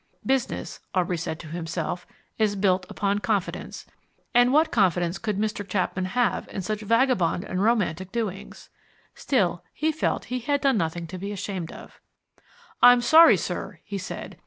Business, Aubrey said to himself, is built upon Confidence, and what confidence could Mr. Chapman have in such vagabond and romantic doings? Still, he felt that he had done nothing to be ashamed of. "I'm sorry, sir," he said.